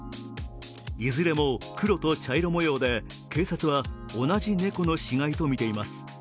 いずれも黒と茶色模様で警察は同じ猫の死骸とみています。